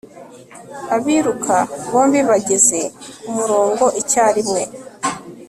abiruka bombi bageze kumurongo icyarimwe